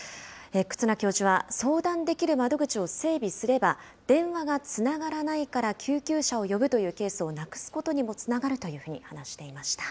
忽那教授は相談できる窓口を整備すれば、電話がつながらないから救急車を呼ぶというケースをなくすことにもつながるというふうに話していました。